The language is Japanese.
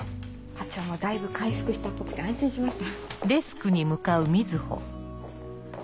課長もだいぶ回復したっぽくて安心しました。